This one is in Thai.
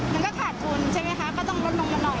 มันก็ขาดทุนใช่ไหมคะก็ต้องลดลงมาหน่อย